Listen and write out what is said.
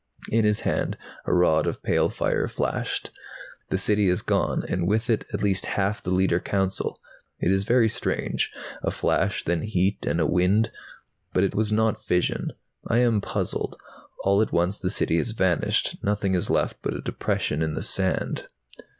In his hand a rod of pale fire flashed. "The City is gone, and with it at least half the Leiter Council. It is very strange, a flash, then heat, and a wind. But it was not fission. I am puzzled. All at once the City has vanished. Nothing is left but a depression in the sand."